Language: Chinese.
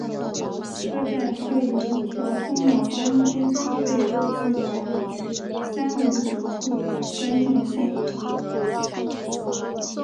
车站设有一条通往安徽储备物资管理局三五九处的专用线。